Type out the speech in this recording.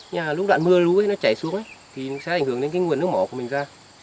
nhưng mà lúc đoạn mưa lũ ấy nó chảy xuống ấy thì nó sẽ ảnh hưởng đến cái nguồn nước mỏ của mình ra